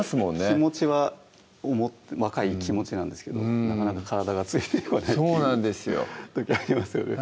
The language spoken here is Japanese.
気持ちは若い気持ちなんですけどうんなかなか体がついてこないそうなんですよ時ありますよね